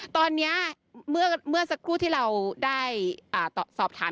ตอนนี้เมื่อสักครู่ที่เราได้สอบถาม